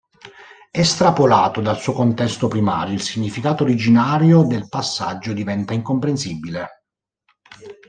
Estrapolato dal suo contesto primario, il significato originario del passaggio diventa incomprensibile.